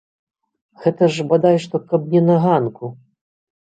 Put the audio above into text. Гэта ж бадай што каб не на ганку!